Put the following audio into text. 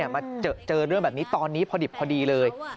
มาเจอเรื่องแบบนี้ตอนนี้พอดิบพอดีเลย